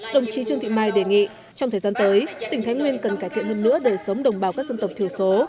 đồng chí trương thị mai đề nghị trong thời gian tới tỉnh thái nguyên cần cải thiện hơn nữa đời sống đồng bào các dân tộc thiểu số